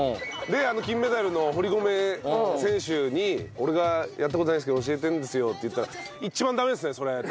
であの金メダルの堀米選手に「俺がやった事ないんですけど教えてるんですよ」って言ったら。